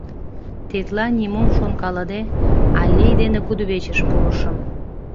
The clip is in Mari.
Тетла нимом шонкалыде, аллей дене кудывечыш пурышым.